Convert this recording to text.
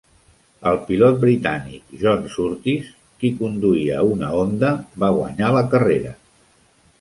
El pilot britànic, John Surtees qui conduïa una Honda va guanyar la carrera.